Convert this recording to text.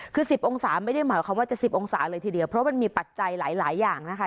คือ๑๐องศาไม่ได้หมายความว่าจะ๑๐องศาเลยทีเดียวเพราะมันมีปัจจัยหลายอย่างนะคะ